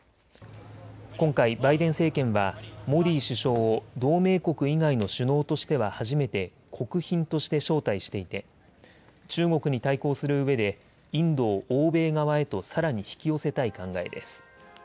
今回、バイデン政権はモディ首相を同盟国以外の首脳としては初めて国賓として招待していて中国に対抗するうえでインドを欧米側へとさらに引き寄せたい考えです。